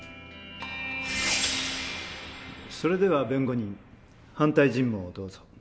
それでは弁護人反対尋問をどうぞ。